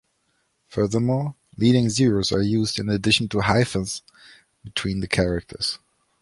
Furthermore, leading zeroes are used in addition to hyphens between the characters.